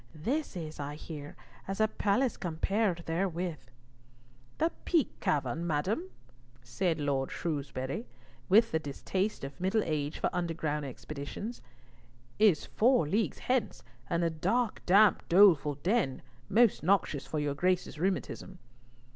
This is, I hear, as a palace compared therewith." "The Peak Cavern, Madam!" said Lord Shrewsbury, with the distaste of middle age for underground expeditions, "is four leagues hence, and a dark, damp, doleful den, most noxious for your Grace's rheumatism."